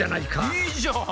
いいじゃん！